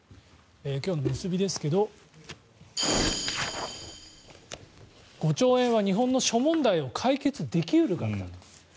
今日のむすびですが５兆円は日本の諸問題を解決でき得る額だと。